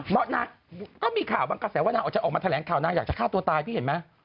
เพราะนางก็มีข่าวบางกระแสว่านางออกจะออกมาแถลงข่าวนางอยากจะฆ่าตัวตายพี่เห็นไหม